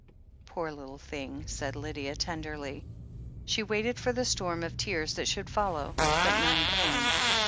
"Poor little thing !" said Lydia tenderly. She waited for the storm of tears that should follow, but none came.